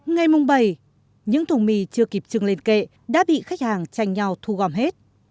ngày mùng bảy những thùng mì chưa kịp trưng lên kệ đã bị khách hàng tranh nhau thu gom hết